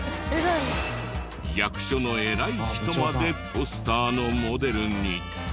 役所の偉い人までポスターのモデルに。